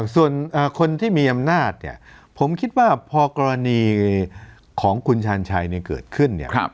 ส่วนคนที่มีอำนาจเนี่ยผมคิดว่าพอกรณีของคุณชาญชัยเกิดขึ้นเนี่ย